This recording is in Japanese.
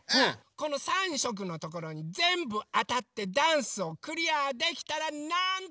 この３しょくのところにぜんぶあたってダンスをクリアできたらなんと！